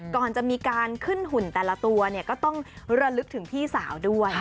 ก่อนจะมีการขึ้นหุ่นแต่ละตัวเนี่ยก็ต้องระลึกถึงพี่สาวด้วย